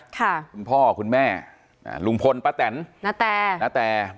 คุณพ่อคุณแม่ลุงพลป๊าแต่นณแต่